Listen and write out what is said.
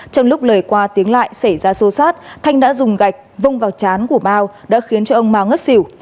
trong lúc lời qua tiếng lại xảy ra xô xát thanh đã dùng gạch vông vào chán của mau đã khiến cho ông mau ngất xỉu